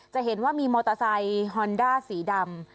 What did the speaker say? จะเห็นว่ามีมอเตอร์ไซค์ฮอนด้าสีดำ